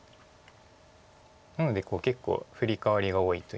なので結構フリカワリが多いといいますか。